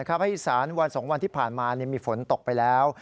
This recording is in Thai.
อีสานวัน๒วันที่ผ่านมามีฝนตกไปแล้ว